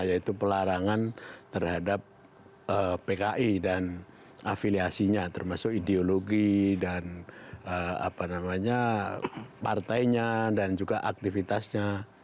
yaitu pelarangan terhadap pki dan afiliasinya termasuk ideologi dan partainya dan juga aktivitasnya